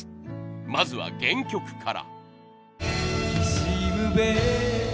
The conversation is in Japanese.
まずは原曲から。